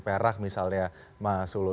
perak misalnya mas ulu